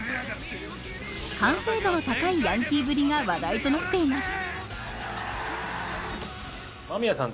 完成度の高いヤンキーぶりが話題となっています。